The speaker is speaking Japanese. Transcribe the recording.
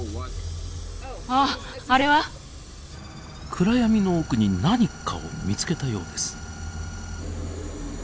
暗闇の奥に何かを見つけたようです。